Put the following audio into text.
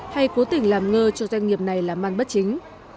hay cố tình làm ngơ cho doanh nghiệp này là man bất chính